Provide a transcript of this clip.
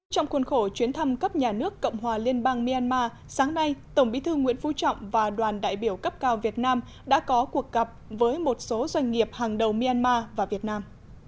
trong khuôn khổ chuyến thăm cấp nhà nước cộng hòa liên bang myanmar sáng nay tổng bí thư nguyễn phú trọng và đoàn đại biểu cấp cao việt nam đã có cuộc gặp với một số doanh nghiệp hàng đầu myanmar và việt nam